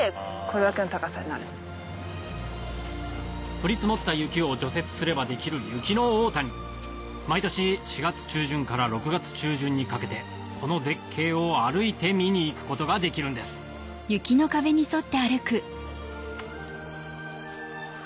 降り積もった雪を除雪すれば出来る雪の大谷毎年４月中旬から６月中旬にかけてこの絶景を歩いて見に行くことができるんですうわっ。